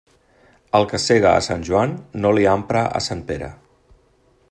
El que sega a Sant Joan no li ampra a Sant Pere.